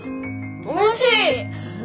おいしい！